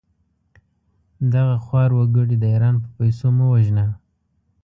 دغه خوار وګړي د ايران په پېسو مه وژنه!